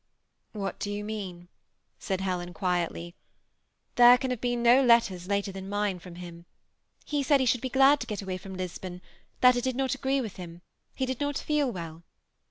" What do you mean ?" said Helen, quietly ;" there can have been no letters later than mine from him. He said he should be glad to get away from Lisbon, that it did not agree with him ; he did not feel well.